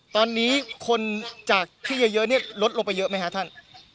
ตอนนี้คนจากที่เยอะเนี่ยลดลงไปเยอะไหมครับท่าน